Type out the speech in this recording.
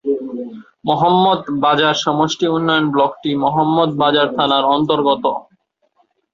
মহম্মদ বাজার সমষ্টি উন্নয়ন ব্লকটি মহম্মদ বাজার থানার অন্তর্গত।